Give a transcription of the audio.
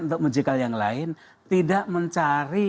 untuk menjikal yang lain tidak mencari